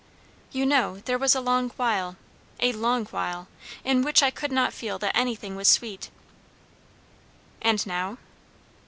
"You know there was a long while a long while in which I could not feel that anything was sweet." "And now?"